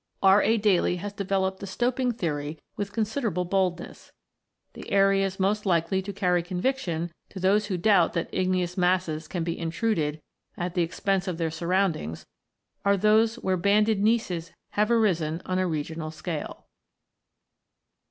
R. A. Daly (76) has developed the stoping theory with considerable bold ness. The areas most likely to carry conviction to those who doubt that igneous masses can be intruded at the expense of their surroundings are those where banded gneisses have arisen on a regional scale (see p.